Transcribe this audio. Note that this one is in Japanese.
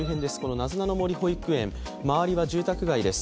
なずなの森保育園、周りは住宅街です